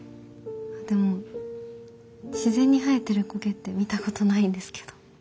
でも自然に生えてる苔って見たことないんですけど。